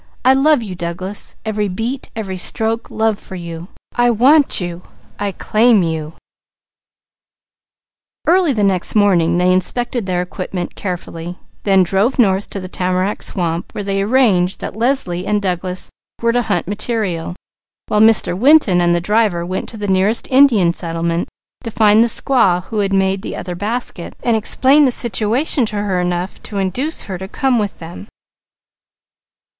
"I love you, Douglas! Every beat, every stroke, love for you." Early the next morning they inspected their equipment carefully, then drove north to the tamarack swamp, where they arranged that Leslie and Douglas were to hunt material, while Mr. Winton and the driver went to the nearest Indian settlement to find the squaw who had made the other basket, and bring her to the swamp.